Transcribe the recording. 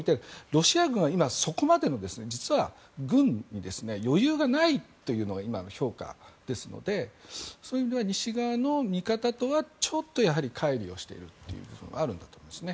ロシア軍は、そこまでの軍の余裕がないというのが今の評価ですのでそういう意味では西側の見方とはちょっとかい離をしているという部分があるんだと思うんですね。